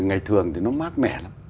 ngày thường thì nó mát mẻ lắm